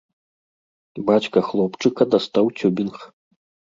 Бацька хлопчыка дастаў цюбінг.